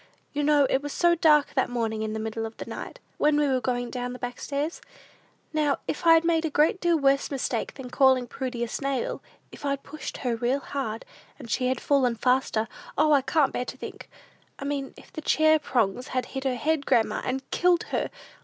You know it was so dark that morning in the middle of the night, when we were going down the back stairs? Now, if I'd made a great deal worse mistake than calling Prudy a snail, if I'd pushed her real hard, and she had fallen faster, O, I can't bear to think! I mean, if the chair prongs had hit her head, grandma and killed her!